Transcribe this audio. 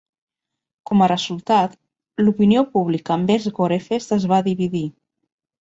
Com a resultat, l'opinió pública envers Gorefest es va dividir.